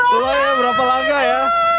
lumayan berapa langkah ya